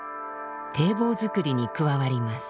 堤防造りに加わります。